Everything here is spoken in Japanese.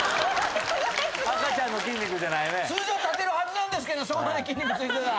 立てるはずなんですけどそこまで筋肉ついてたら。